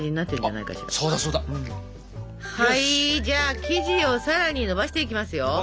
じゃあ生地をさらにのばしていきますよ。